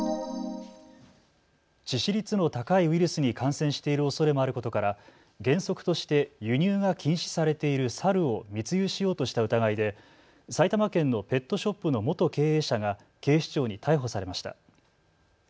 致死率の高いウイルスに感染しているおそれもあることから原則として輸入が禁止されている猿を密輸しようとした疑いで埼玉県のペットショップの元経営者が警視庁に逮捕されました。